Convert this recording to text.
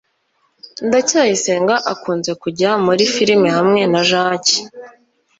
ndacyayisenga akunze kujya muri firime hamwe na jaki